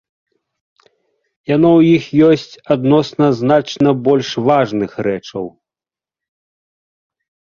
Яно ў іх ёсць адносна значна больш важных рэчаў.